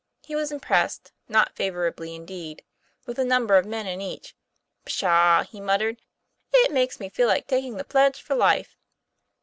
He was impressed, not favorably indeed, with the number of men in each. "Pshaw!' he muttered. ' It makes me feel like taking the pledge for life."